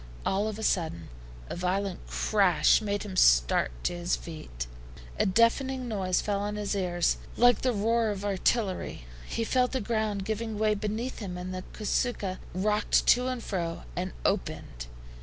All of a sudden a violent crash made him start to his feet. A deafening noise fell on his ear like the roar of artillery. He felt the ground giving way beneath him, and the CASUCHA rocked to and fro, and opened.